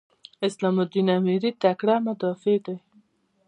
اسلام الدین امیري تکړه مدافع دی.